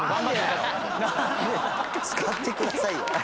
使ってくださいよ。